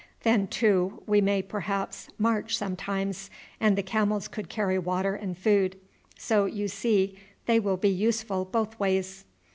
Then, too, we may perhaps march sometimes, and the camels could carry water and food. So, you see, they will be useful both ways."